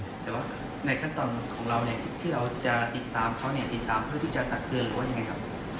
แต่ว่าในขั้นตอนของเราเนี่ยที่เราจะติดตามเขาเนี่ยติดตามเพื่อที่จะตักเตือนหรือว่ายังไงครับ